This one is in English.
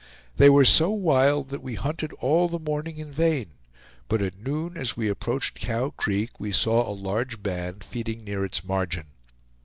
They were so wild that we hunted all the morning in vain, but at noon as we approached Cow Creek we saw a large band feeding near its margin.